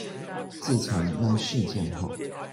自從那事件後